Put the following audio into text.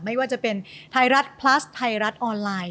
ไม่ว่าจะเป็นไทยรัฐพลัสไทยรัฐออนไลน์